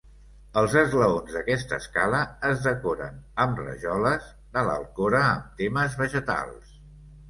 Els esglaons d'aquesta escala es decoren amb rajoles de l'Alcora amb temes vegetals.